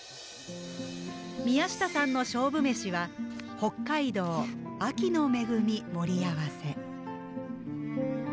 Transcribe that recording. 宮下さんの勝負めしは「北海道秋の恵み盛り合わせ」。